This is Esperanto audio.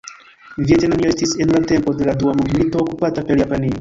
Vjetnamio estis en la tempo de la dua mondmilito okupata per Japanio.